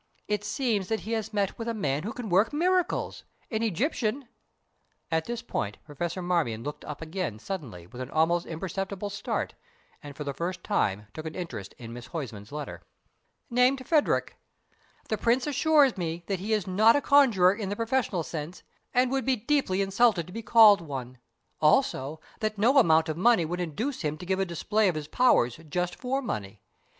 It seems that he has met with a man who can work miracles, an Egyptian " At this point Professor Marmion looked up again suddenly with an almost imperceptible start, and, for the first time, took an interest in Miss Huysman's letter. " named Phadrig. The Prince assures me that he is not a conjurer in the professional sense, and would be deeply insulted to be called one; also that no amount of money would induce him to give a display of his powers just for money.